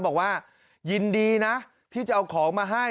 บอกว่ายินดีนะที่จะเอาของมาให้